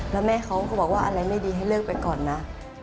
แล้วแม่เขาก็บอกว่าอะไรไม่ดีให้เลิกไปก่อนนะ